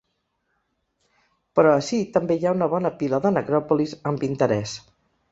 Però ací també hi ha una bona pila de necròpolis amb interès.